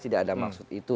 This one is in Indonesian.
tidak ada maksud itu